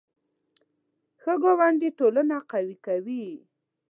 ښه ګاونډي ټولنه قوي کوي